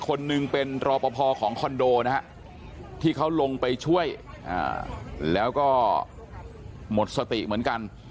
คนหนึ่งเป็นรอปภของคอนโดนะฮะที่เขาลงไปช่วยแล้วก็หมดสติเหมือนกัน